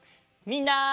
みんな！